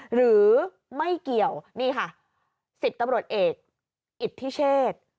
หรือไม่เกี่ยวนี่ค่ะ๑๐ตำรวจเอกอิทธิเชษ